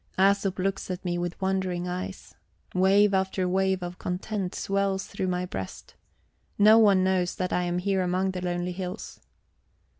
Æsop looks at me with wondering eyes. Wave after wave of content swells through my breast. No one knows that I am here among the lonely hills.